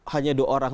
hanya dua orang